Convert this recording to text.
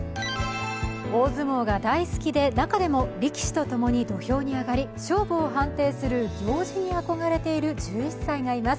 大相撲が大好きで、中でも力士と共に土俵に上がり勝負を判定する行司に憧れている１１歳がいます。